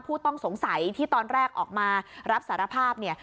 ผู้ต้องสงสัยที่ตอนแรกออกมารับสารภาพเนี่ย